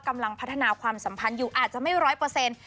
กำลังพัฒนาความสัมพันธ์อยู่อาจจะไม่ร้อยเปอร์เซ็นต์